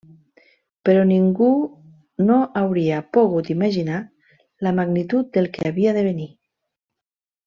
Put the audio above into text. Però ningú no hauria pogut imaginar la magnitud del que havia de venir.